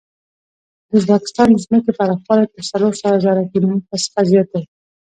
د ازبکستان د ځمکې پراخوالی تر څلور سوه زره کیلو متره څخه زیات دی.